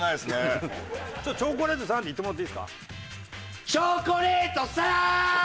「チョコレートさん！」って言ってもらっていいですか？